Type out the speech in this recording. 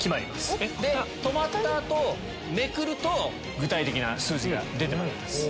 止まった後めくると具体的な数字が出てまいります。